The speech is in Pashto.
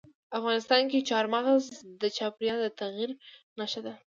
افغانستان کې چار مغز د چاپېریال د تغیر نښه ده.